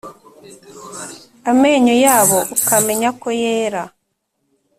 amenyo yabo ukamenya ko yera